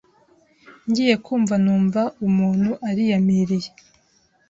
ngiye kumva numva umuntu ariyamiriye